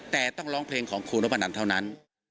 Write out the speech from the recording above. แต่ต้องร้องเพลงของครูนพนันเท่านั้น